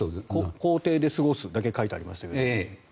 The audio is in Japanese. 公邸で過ごすとだけ書いてありましたけど。